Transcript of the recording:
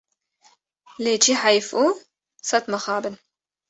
Lê çi heyf û sed mixabin!